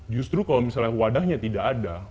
justru kalau misalnya wadahnya tidak ada